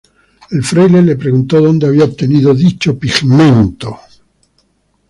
El fraile le preguntó dónde había obtenido dicho pigmento.